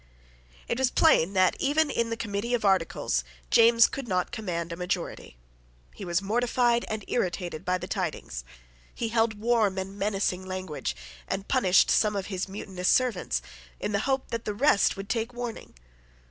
It was plain that, even in the Committee of Articles, James could not command a majority. He was mortified and irritated by the tidings. He held warm and menacing language, and punished some of his mutinous servants, in the hope that the rest would take warning.